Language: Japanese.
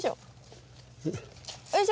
よいしょ。